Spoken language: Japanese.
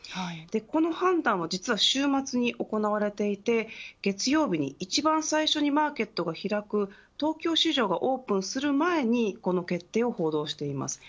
この判断は実は週末に行われていて月曜日に一番最初にマーケットが開く東京市場がオープンする前にこの決定を報道しています。